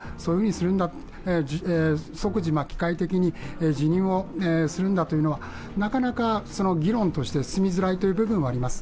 比例の復活の議員はそういうふうにするんだ、即時、機械的に辞任をするんだというのはなかなか議論として進みづらいという部分はあります。